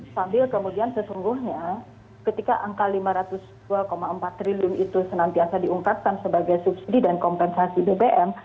sambil kemudian sesungguhnya ketika angka lima ratus dua empat triliun itu senantiasa diungkapkan sebagai subsidi dan kompensasi bbm